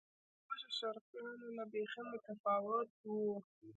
له موږ شرقیانو نه بیخي متفاوت و.